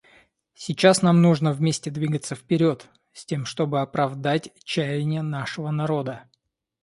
Сейчас нам нужно вместе двигаться вперед, с тем чтобы оправдать чаяния нашего народа.